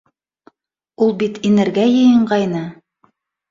Ул бит инергә йыйынғайны!